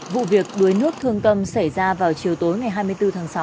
vụ việc đuối nước thương tâm xảy ra vào chiều tối ngày hai mươi bốn tháng sáu